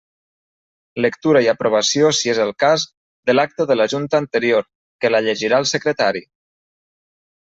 Lectura i aprovació si és el cas de l'acta de la junta anterior, que la llegirà el secretari.